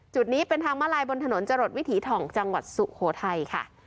จุดนี้เป็นทางมาลายบนถนนจรดวิถีถ่องจังหวัดสุโขทัยค่ะ